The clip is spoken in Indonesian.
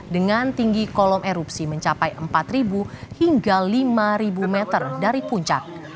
dengan tinggi kolom erupsi mencapai empat hingga lima meter dari puncak